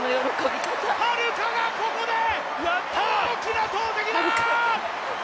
榛花がここで大きな投てきだー！